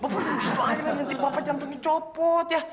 bapak duduk situ aja lah nanti bapak jantungnya copot ya